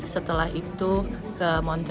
setelah itu ke montreal